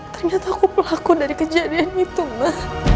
ternyata aku pelaku dari kejadian itu mbak